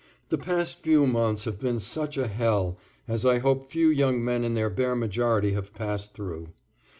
The past few months have been such a hell as I hope few young men in their bare majority have passed through.